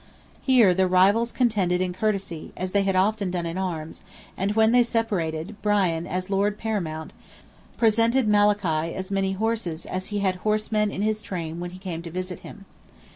Here the rivals contended in courtesy, as they had often done in arms, and when they separated, Brian, as Lord Paramount, presented Malachy as many horses as he had horsemen in his train when he came to visit him.